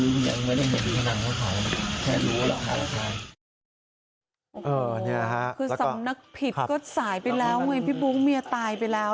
นี่คือสำนึกผิดก็สายไปแล้วไงพี่บุ๊คเมียตายไปแล้ว